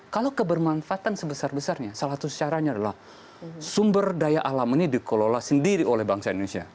kalau kebermanfaatan sebesar besarnya salah satu caranya adalah sumber daya alam ini dikelola sendiri oleh bangsa indonesia